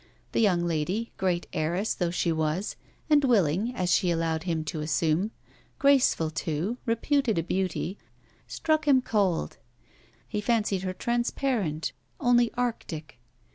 The young lady, great heiress though she was, and willing, as she allowed him to assume; graceful too, reputed a beauty; struck him cold. He fancied her transparent, only Arctic.